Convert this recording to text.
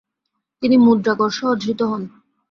তিনি মুদ্রাকরসহ ধৃত হন।